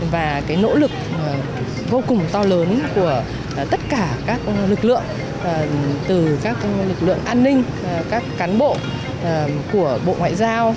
và nỗ lực vô cùng to lớn của tất cả các lực lượng từ các lực lượng an ninh các cán bộ của bộ ngoại giao